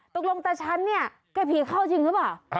ตกลงตาฉันเนี่ยแกผีเข้าจริงหรือเปล่า